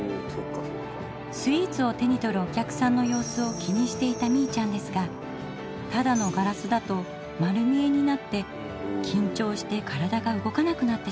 スイーツを手に取るお客さんの様子を気にしていたみいちゃんですがただのガラスだと丸見えになってきんちょうして体が動かなくなってしまいます。